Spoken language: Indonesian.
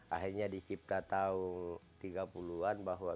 akhirnya dicipta tahun tiga puluh an bahwa